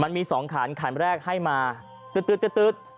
มันมีสองขันขันแรกให้มาตื๊ดตื๊ดตื๊ดตื๊ด